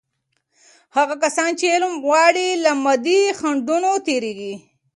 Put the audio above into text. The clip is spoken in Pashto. هغه کسان چې علم غواړي، له مادي خنډونو تیریږي.